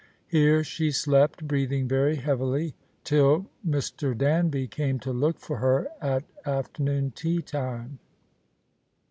Here she slept — breathing very heavily — till Mr. Danby came to look for her at afternoon tea time.